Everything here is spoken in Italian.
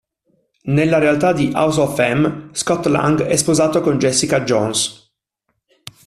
Nella realtà di "House of M", Scott Lang è sposato con Jessica Jones.